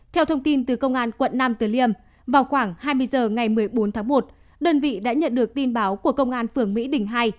theo thông tin từ công an quận nam từ liêm vào khoảng hai mươi h ngày một mươi bốn tháng một đơn vị đã nhận được tin báo của công an phường mỹ đình hai